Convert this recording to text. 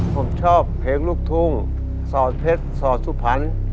ผมชอบเพลงลูกทุ่งสอดเพชรสอดสุพรรณ